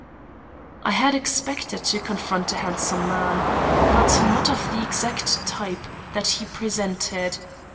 I had expected to confront a handsome man, but not of the exact type that he presented.